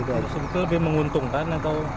terus itu lebih menguntungkan atau